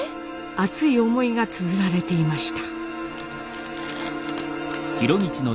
熱い思いがつづられていました。